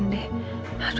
nanti aku selesai